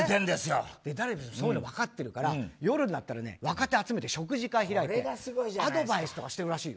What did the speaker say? ダルビッシュはそういうのを分かってるから夜になったら若手を集めて食事会開いてアドバイスとかしてるらしいよ。